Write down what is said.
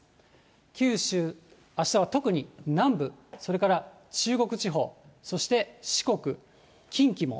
九州、あしたは特に南部、それから中国地方、そして四国、近畿も。